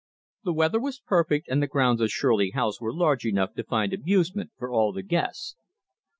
The weather was perfect, and the grounds of Shirley House were large enough to find amusement for all the guests.